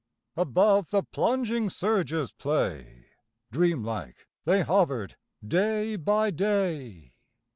Above the plunging surge's play Dream like they hovered, day by day.